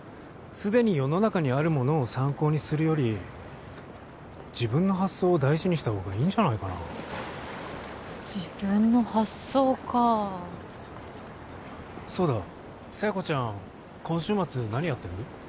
すでに世の中にあるものを参考にするより自分の発想を大事にしたほうがいいんじゃないかな自分の発想かそうだ佐弥子ちゃん今週末何やってる？